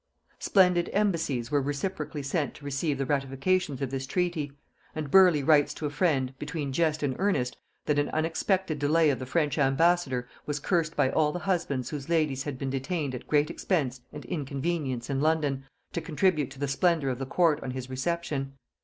Splendid embassies were reciprocally sent to receive the ratifications of this treaty; and Burleigh writes to a friend, between jest and earnest, that an unexpected delay of the French ambassador was cursed by all the husbands whose ladies had been detained at great expense and inconvenience in London, to contribute to the splendor of the court on his reception.